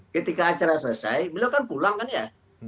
ketika acara selesai beliau kan pulang kan ya